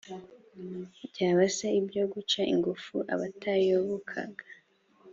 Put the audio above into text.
byaba se ibyo guca ingufu abatayobokaga